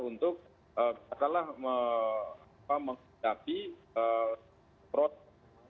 untuk salah menghidapi proteksi